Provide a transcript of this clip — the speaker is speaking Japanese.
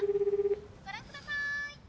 ご覧ください。